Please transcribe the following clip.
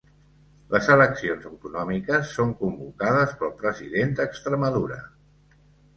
Les eleccions autonòmiques són convocades pel president d'Extremadura.